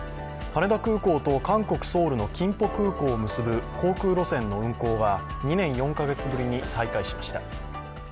羽田空港と韓国・ソウルのキンポ空港を結ぶ航空路線の運航が２年４カ月ぶりに再開しました。